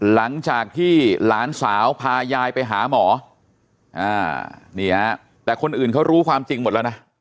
หลังจากที่หลานสาวพายายไปหาหมอนี่ฮะแต่คนอื่นเขารู้ความจริงหมดแล้วนะ